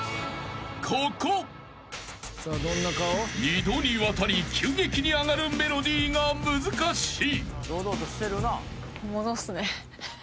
［二度にわたり急激に上がるメロディーが難しい］